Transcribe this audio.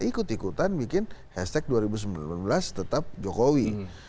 ikut ikutan bikin hashtag dua ribu sembilan belas tetap jokowi